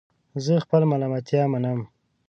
زه خپل ملامتیا منم